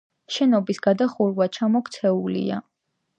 შენობის გადახურვა ჩამოქცეულია.